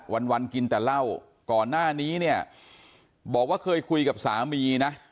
วันวันกินแต่เหล้าก่อนหน้านี้เนี่ยบอกว่าเคยคุยกับสามีนะ